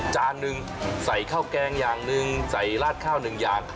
จานหนึ่งใส่ข้าวแกงอย่างหนึ่งใส่ราดข้าวหนึ่งอย่าง